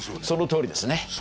そのとおりですね。